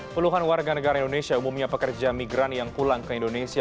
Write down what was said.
puluhan warga negara indonesia umumnya pekerja migran yang pulang ke indonesia